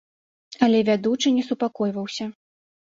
Але вядучы не супакойваўся.